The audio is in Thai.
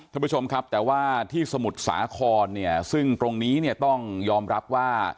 ท่านผู้ชมครับแต่ว่าที่สมุดสาคอนซึ่งตรงนี้ต้องยอมรับว่า